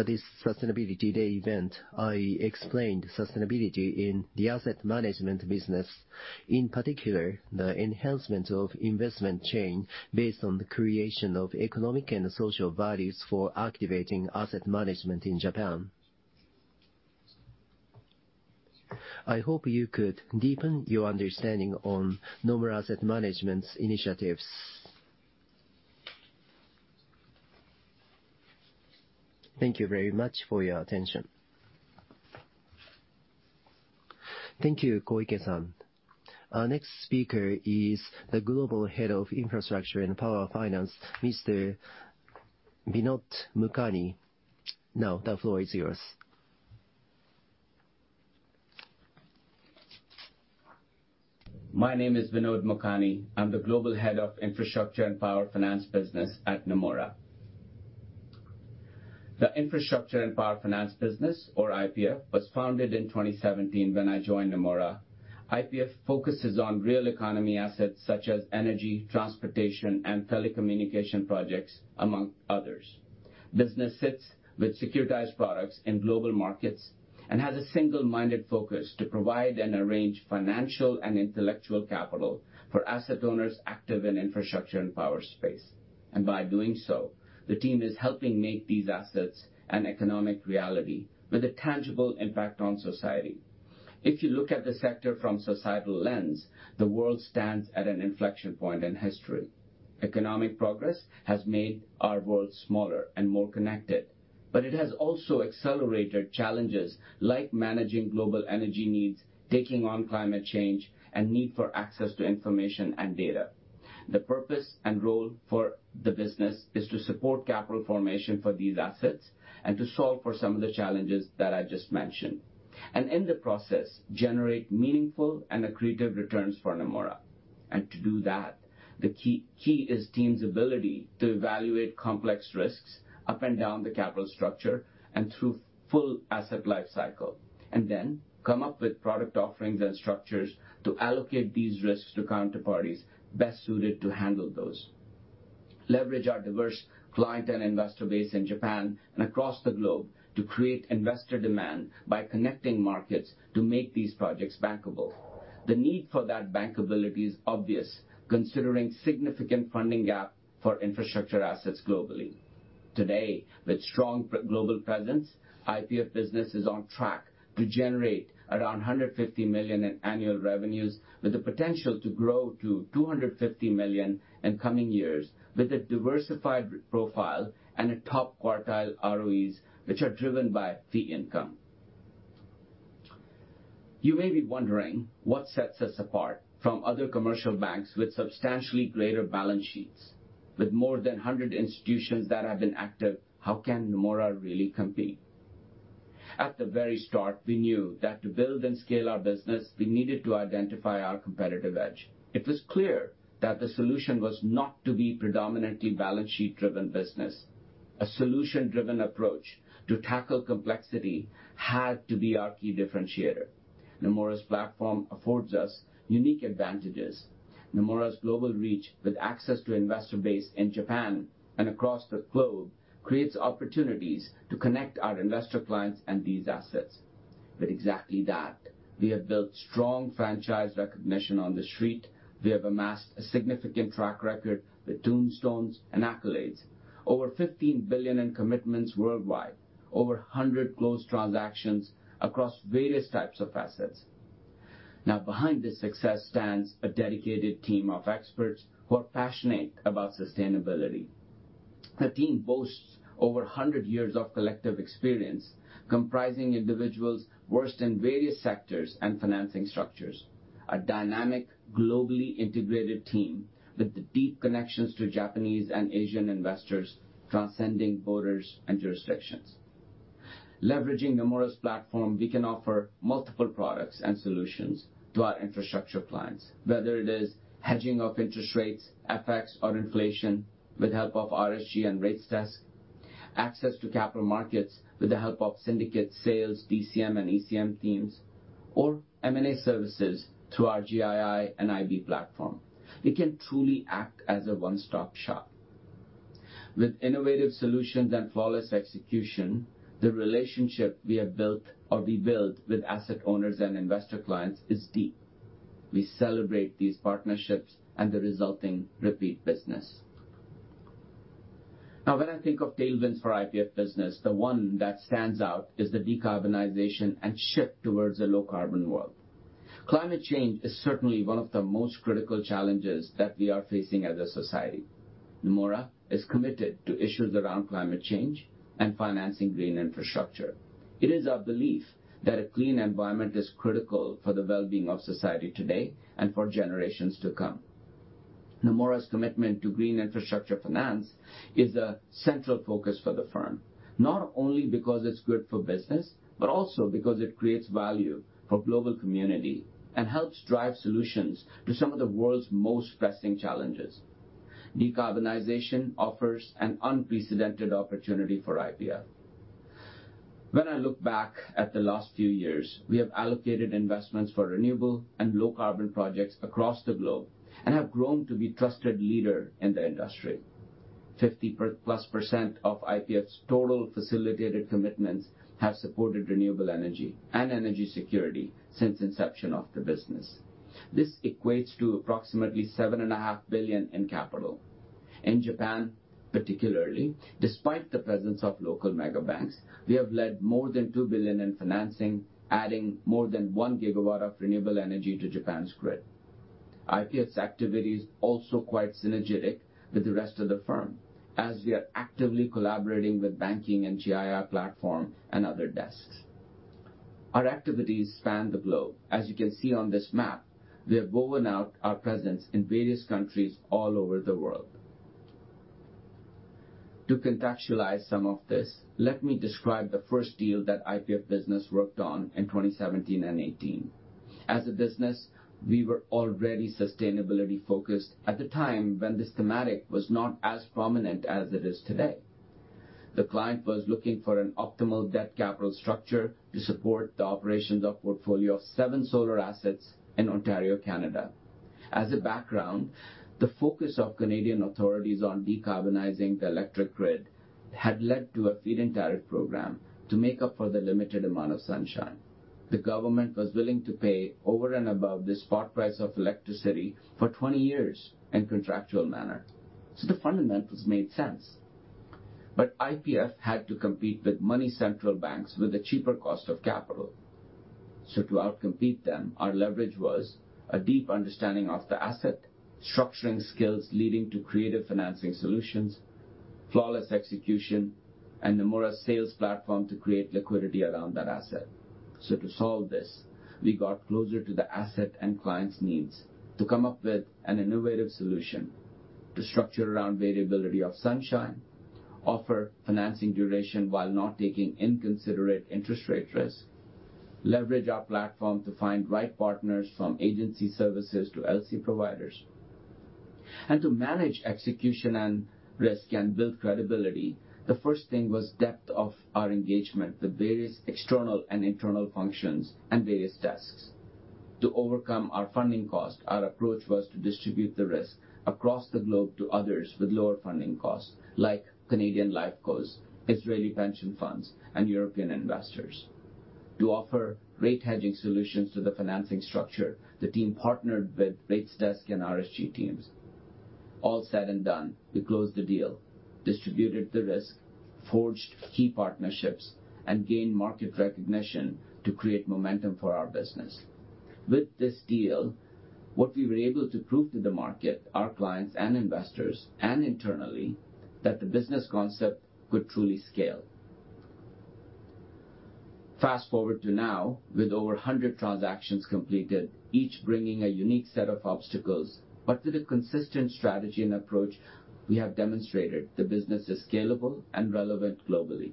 Speaker 3: Today, at this Sustainability Day event, I explained sustainability in the asset management business, in particular, the enhancement of investment chain based on the creation of economic and social values for activating asset management in Japan. I hope you could deepen your understanding on Nomura Asset Management's initiatives. Thank you very much for your attention. Thank you, Koike-san. Our next speaker is the Global Head of Infrastructure and Power Finance, Mr. Vinod Mukani. Now, the floor is yours.
Speaker 5: My name is Vinod Mukani. I'm the Global Head of Infrastructure and Power Finance business at Nomura. The Infrastructure and Power Finance business, or IPF, was founded in 2017 when I joined Nomura. IPF focuses on real economy assets such as energy, transportation, and telecommunication projects, among others. Business sits with securitized products in global markets and has a single-minded focus to provide and arrange financial and intellectual capital for asset owners active in infrastructure and power space. And by doing so, the team is helping make these assets an economic reality with a tangible impact on society. If you look at the sector from societal lens, the world stands at an inflection point in history... Economic progress has made our world smaller and more connected, but it has also accelerated challenges like managing global energy needs, taking on climate change, and need for access to information and data. The purpose and role for the business is to support capital formation for these assets and to solve for some of the challenges that I just mentioned, and in the process, generate meaningful and accretive returns for Nomura. And to do that, the key, key is team's ability to evaluate complex risks up and down the capital structure and through full asset life cycle, and then come up with product offerings and structures to allocate these risks to counterparties best suited to handle those. Leverage our diverse client and investor base in Japan and across the globe to create investor demand by connecting markets to make these projects bankable. The need for that bankability is obvious, considering significant funding gap for infrastructure assets globally. Today, with strong global presence, IPF business is on track to generate around $150 million in annual revenues, with the potential to grow to $250 million in coming years, with a diversified profile and a top-quartile ROEs, which are driven by fee income. You may be wondering what sets us apart from other commercial banks with substantially greater balance sheets. With more than 100 institutions that have been active, how can Nomura really compete? At the very start, we knew that to build and scale our business, we needed to identify our competitive edge. It was clear that the solution was not to be predominantly balance sheet-driven business. A solution-driven approach to tackle complexity had to be our key differentiator. Nomura's platform affords us unique advantages. Nomura's global reach with access to investor base in Japan and across the globe creates opportunities to connect our investor clients and these assets. With exactly that, we have built strong franchise recognition on the street. We have amassed a significant track record with tombstones and accolades, over $15 billion in commitments worldwide, over 100 closed transactions across various types of assets. Now, behind this success stands a dedicated team of experts who are passionate about sustainability. The team boasts over 100 years of collective experience, comprising individuals versed in various sectors and financing structures, a dynamic, globally integrated team with the deep connections to Japanese and Asian investors, transcending borders and jurisdictions. Leveraging Nomura's platform, we can offer multiple products and solutions to our infrastructure clients, whether it is hedging of interest rates, FX, or inflation with help of RSG and rates desk, access to capital markets with the help of syndicate sales, DCM and ECM teams, or M&A services through our GII and IB platform. We can truly act as a one-stop shop. With innovative solutions and flawless execution, the relationship we have built or we build with asset owners and investor clients is deep. We celebrate these partnerships and the resulting repeat business. Now, when I think of tailwinds for IPF business, the one that stands out is the decarbonization and shift towards a low-carbon world. Climate change is certainly one of the most critical challenges that we are facing as a society. Nomura is committed to issues around climate change and financing green infrastructure. It is our belief that a clean environment is critical for the well-being of society today and for generations to come. Nomura's commitment to green infrastructure finance is a central focus for the firm, not only because it's good for business, but also because it creates value for global community and helps drive solutions to some of the world's most pressing challenges. Decarbonization offers an unprecedented opportunity for IPF. When I look back at the last few years, we have allocated investments for renewable and low-carbon projects across the globe and have grown to be trusted leader in the industry. 50%+ of IPF's total facilitated commitments have supported renewable energy and energy security since inception of the business. This equates to approximately $7.5 billion in capital. In Japan, particularly, despite the presence of local mega banks, we have led more than $2 billion in financing, adding more than 1 GW of renewable energy to Japan's grid. IPF's activity is also quite synergetic with the rest of the firm, as we are actively collaborating with banking and GII platform and other desks. Our activities span the globe. As you can see on this map, we have woven out our presence in various countries all over the world. To contextualize some of this, let me describe the first deal that IPF business worked on in 2017 and 2018. As a business, we were already sustainability focused at the time when this thematic was not as prominent as it is today. The client was looking for an optimal debt capital structure to support the operations of portfolio of 7 solar assets in Ontario, Canada. As a background, the focus of Canadian authorities on decarbonizing the electric grid had led to a feed-in tariff program to make up for the limited amount of sunshine. The government was willing to pay over and above the spot price of electricity for 20 years in contractual manner, so the fundamentals made sense. But IPF had to compete with many central banks with a cheaper cost of capital. So to out-compete them, our leverage was a deep understanding of the asset, structuring skills leading to creative financing solutions, flawless execution, and Nomura's sales platform to create liquidity around that asset. So to solve this, we got closer to the asset and clients' needs to come up with an innovative solution to structure around variability of sunshine, offer financing duration while not taking inconsiderate interest rate risk, leverage our platform to find right partners from agency services to LC providers. To manage execution and risk and build credibility, the first thing was depth of our engagement, the various external and internal functions and various tasks. To overcome our funding cost, our approach was to distribute the risk across the globe to others with lower funding costs, like Canadian Life. Israeli pension funds, and European investors. To offer rate hedging solutions to the financing structure, the team partnered with Rates Desk and RSG teams. All said and done, we closed the deal, distributed the risk, forged key partnerships, and gained market recognition to create momentum for our business. With this deal, what we were able to prove to the market, our clients and investors, and internally, that the business concept could truly scale. Fast forward to now, with over 100 transactions completed, each bringing a unique set of obstacles, but with a consistent strategy and approach, we have demonstrated the business is scalable and relevant globally.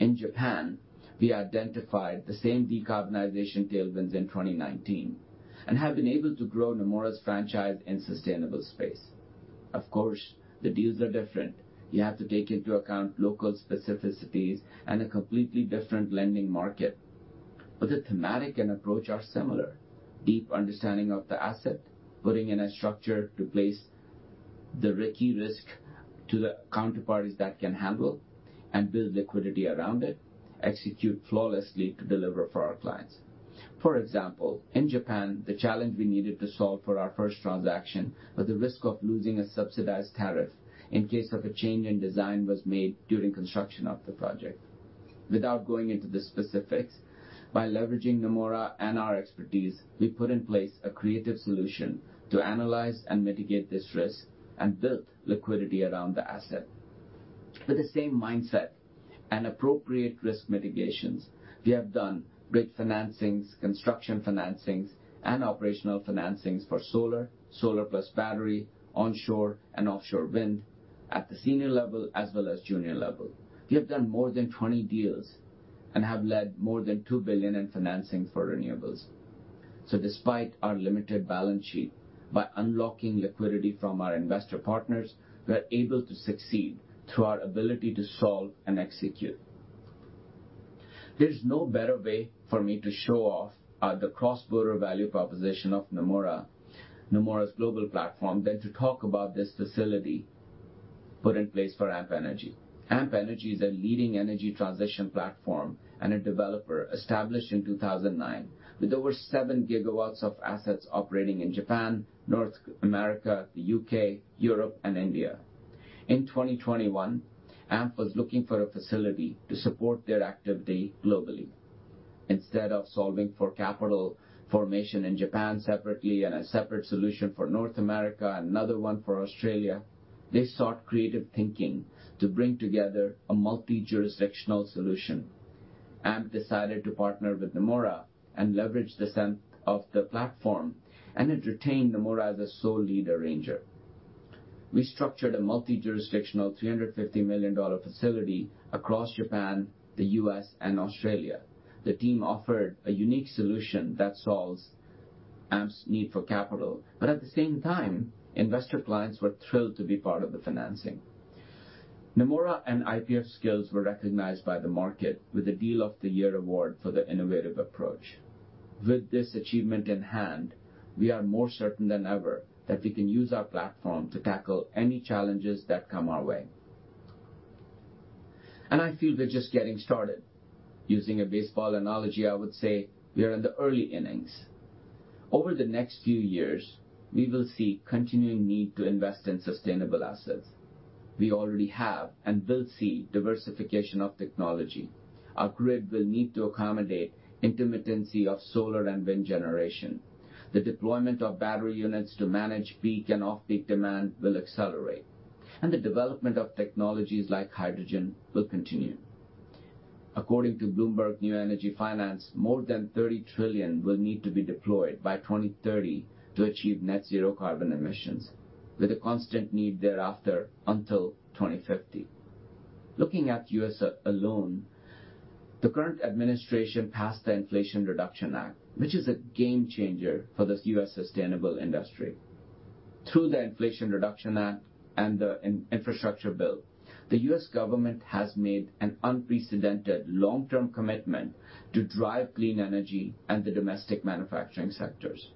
Speaker 5: In Japan, we identified the same decarbonization tailwinds in 2019, and have been able to grow Nomura's franchise in sustainable space. Of course, the deals are different. You have to take into account local specificities and a completely different lending market. But the thematic and approach are similar. Deep understanding of the asset, putting in a structure to place the risky risk to the counterparties that can handle, and build liquidity around it, execute flawlessly to deliver for our clients. For example, in Japan, the challenge we needed to solve for our first transaction was the risk of losing a subsidized tariff in case of a change in design was made during construction of the project. Without going into the specifics, by leveraging Nomura and our expertise, we put in place a creative solution to analyze and mitigate this risk and built liquidity around the asset. With the same mindset and appropriate risk mitigations, we have done great financings, construction financings, and operational financings for solar, solar plus battery, onshore and offshore wind, at the senior level as well as junior level. We have done more than 20 deals and have led more than 2 billion in financing for renewables. So despite our limited balance sheet, by unlocking liquidity from our investor partners, we are able to succeed through our ability to solve and execute. There's no better way for me to show off the cross-border value proposition of Nomura, Nomura's global platform, than to talk about this facility put in place for Amp Energy. Amp Energy is a leading energy transition platform and a developer established in 2009, with over 7 gigawatts of assets operating in Japan, North America, the UK, Europe, and India. In 2021, Amp was looking for a facility to support their activity globally. Instead of solving for capital formation in Japan separately and a separate solution for North America and another one for Australia, they sought creative thinking to bring together a multi-jurisdictional solution. Amp decided to partner with Nomura and leverage the strength of the platform, and it retained Nomura as a sole lead arranger. We structured a multi-jurisdictional $350 million facility across Japan, the US, and Australia. The team offered a unique solution that solves Amp's need for capital, but at the same time, investor clients were thrilled to be part of the financing. Nomura and IPF's skills were recognized by the market with the Deal of the Year award for their innovative approach. With this achievement in hand, we are more certain than ever that we can use our platform to tackle any challenges that come our way. I feel we're just getting started. Using a baseball analogy, I would say we are in the early innings. Over the next few years, we will see continuing need to invest in sustainable assets. We already have and will see diversification of technology. Our grid will need to accommodate intermittency of solar and wind generation. The deployment of battery units to manage peak and off-peak demand will accelerate, and the development of technologies like hydrogen will continue. According to Bloomberg New Energy Finance, more than $30 trillion will need to be deployed by 2030 to achieve net zero carbon emissions, with a constant need thereafter until 2050. Looking at U.S. alone, the current administration passed the Inflation Reduction Act, which is a game changer for the U.S. sustainable industry. Through the Inflation Reduction Act and the Infrastructure Bill, the U.S. government has made an unprecedented long-term commitment to drive clean energy and the domestic manufacturing sectors.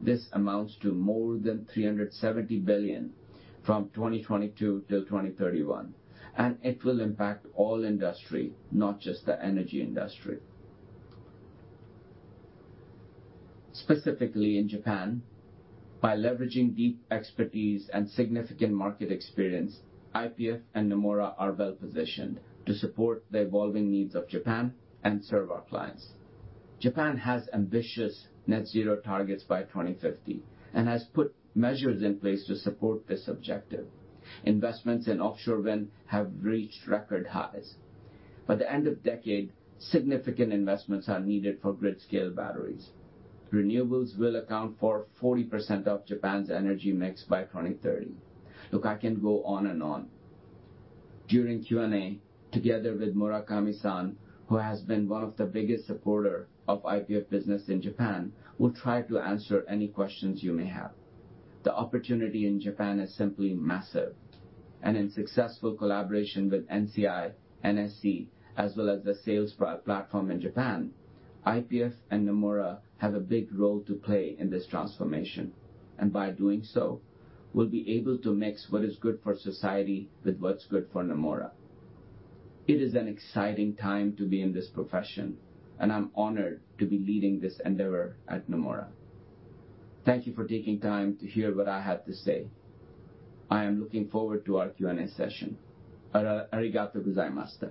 Speaker 5: This amounts to more than $370 billion from 2022 2031, and it will impact all industry, not just the energy industry. Specifically in Japan, by leveraging deep expertise and significant market experience, IPF and Nomura are well positioned to support the evolving needs of Japan and serve our clients. Japan has ambitious net zero targets by 2050 and has put measures in place to support this objective. Investments in offshore wind have reached record highs. By the end of the decade, significant investments are needed for grid-scale batteries. Renewables will account for 40% of Japan's energy mix by 2030. Look, I can go on and on. During Q&A, together with Murakami-san, who has been one of the biggest supporter of IPF business in Japan, we'll try to answer any questions you may have. The opportunity in Japan is simply massive, and in successful collaboration with NCI, NSC, as well as the sales platform in Japan, IPF and Nomura have a big role to play in this transformation. By doing so, we'll be able to mix what is good for society with what's good for Nomura. It is an exciting time to be in this profession, and I'm honored to be leading this endeavor at Nomura. Thank you for taking time to hear what I have to say. I am looking forward to our Q&A session. Arigato gozaimasu.